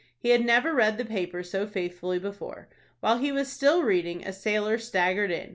He had never read the paper so faithfully before. While he was still reading, a sailor staggered in.